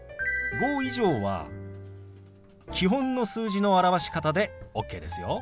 ５以上は基本の数字の表し方でＯＫですよ。